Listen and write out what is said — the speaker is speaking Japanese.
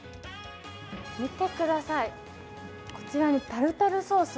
見みてください、こちらにタルタルソース